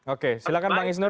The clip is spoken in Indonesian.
oke silahkan bang isnur